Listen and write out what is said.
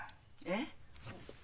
えっ？